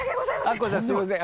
アッコさんすみません